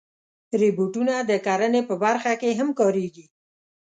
روبوټونه د کرنې په برخه کې هم کارېږي.